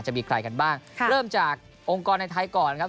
จะมีใครกันบ้างเริ่มจากองค์กรในไทยก่อนครับ